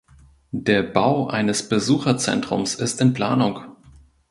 Der Bau eines Besucherzentrums ist in Planung.